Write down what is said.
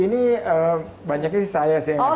ini banyaknya sih saya sih yang kasih nama